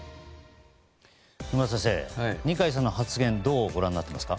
野村先生、二階さんの発言どうご覧になっていますか？